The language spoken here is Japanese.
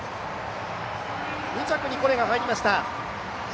２着にコネが入りました。